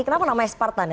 kenapa namanya spartan ya